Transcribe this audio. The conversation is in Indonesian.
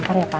ntar ya pak